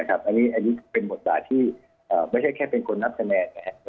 อันนี้เป็นบทกฎหมายที่ไม่ใช่แค่เป็นคนนับแสน